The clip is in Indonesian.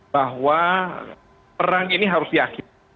bahwa perang ini harus diakhiri